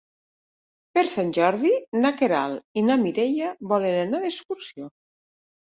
Per Sant Jordi na Queralt i na Mireia volen anar d'excursió.